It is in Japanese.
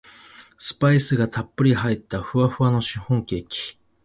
スパイスがたっぷり入ったふわふわのシフォンケーキ